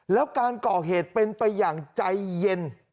แล้วการก่อเหตุเป็นไปอย่างใจเย็น